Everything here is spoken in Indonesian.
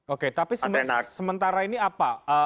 oke tapi sementara ini apa